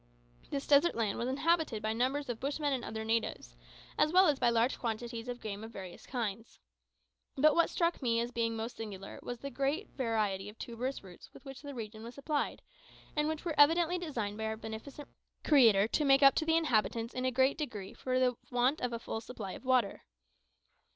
This desert land was inhabited by numbers of bushmen and other natives, as well as by large quantities of game of various kinds. But what struck me as being most singular was the great variety of tuberous roots with which the region was supplied, and which were evidently designed by our beneficent Creator to make up to the inhabitants in a great degree for the want of a full supply of water.